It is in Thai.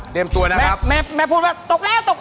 เตรียมตัวนะครับ